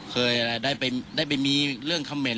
เคยด้ายไปมีเรื่องคำเม้น